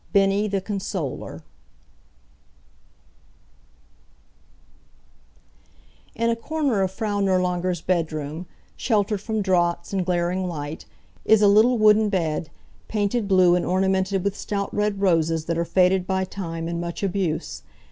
BENNIE THE CONSOLER In a corner of Frau Nirlanger's bedroom, sheltered from draughts and glaring light, is a little wooden bed, painted blue and ornamented with stout red roses that are faded by time and much abuse.